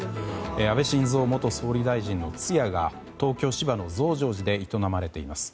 安倍晋三元総理大臣の通夜が東京・芝の増上寺で営まれています。